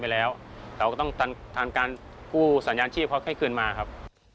ไปแล้วเราก็ต้องการกู้สัญญาณชีพให้คืนมานะครับ